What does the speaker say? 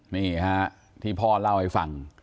นี่ฮะที่พ่อเล่าให้ฟัง